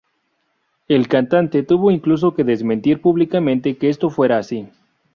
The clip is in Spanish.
El cantante tuvo incluso que desmentir públicamente que esto fuera así.